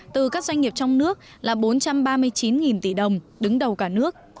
từ các doanh nghiệp trong nước là bốn trăm ba mươi chín tỷ đồng đứng đầu cả nước